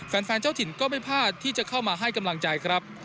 แฟนเจ้าถิ่นก็ไม่พลาดที่จะเข้ามาให้กำลังใจครับ